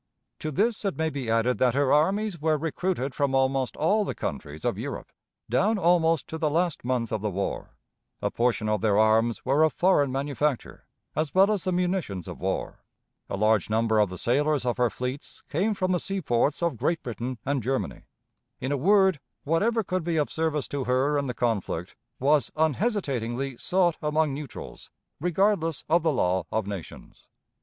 To this it may be added that her armies were recruited from almost all the countries of Europe, down almost to the last month of the war; a portion of their arms were of foreign manufacture, as well as the munitions of war; a large number of the sailors of her fleets came from the seaports of Great Britain and Germany; in a word, whatever could be of service to her in the conflict was unhesitatingly sought among neutrals, regardless of the law of nations.